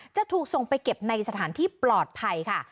จะถูกส่งไปเก็บในสถานที่ปลอดภัยค่ะ